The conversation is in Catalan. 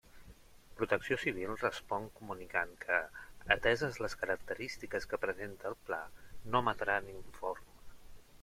Protecció Civil respon comunicant que, ateses les característiques que presenta el Pla no emetran informe.